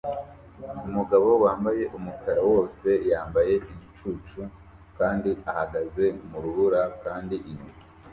Umugabo wambaye umukara wose yambaye igicucu kandi ahagaze mu rubura kandi inyuma